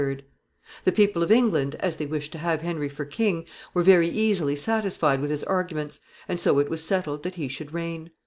_ The people of England, as they wished to have Henry for king, were very easily satisfied with his arguments, and so it was settled that he should reign.